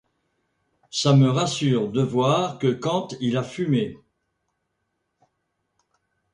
Ça me rassure de voir que quand il a fumé.